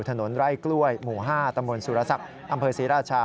ถนนไร่กล้วยหมู่๕ตำบลสุรศักดิ์อำเภอศรีราชา